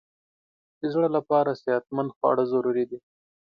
د زړه لپاره صحتمند خواړه ضروري دي.